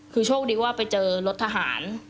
คือโชคดีว่าไปเจอรถทหาร